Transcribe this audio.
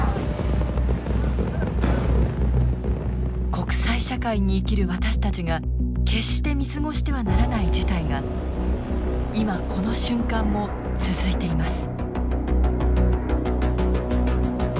国際社会に生きる私たちが決して見過ごしてはならない事態が今この瞬間も続いています。